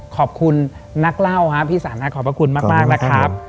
ขอบคุณนักเล่าฮะพี่สานะขอบพระคุณมากนะครับ